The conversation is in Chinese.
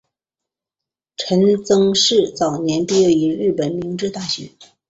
陈曾栻早年毕业于日本明治大学。